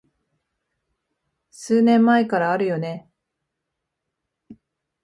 数年前からあるよね